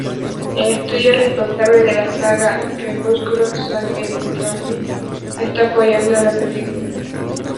El estudio responsable de la saga Crepúsculo, Summit Entertainment, está apoyando la película.